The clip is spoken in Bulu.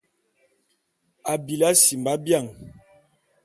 Abili asimba bian.